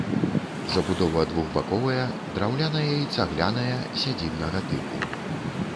Забудова двухбаковая, драўляная і цагляная, сядзібнага тыпу.